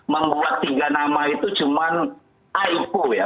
membuat tiga nama itu cuma aipo ya